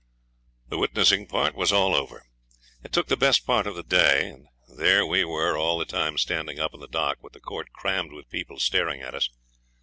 The witnessing part was all over. It took the best part of the day, and there we were all the time standing up in the dock, with the court crammed with people staring at us.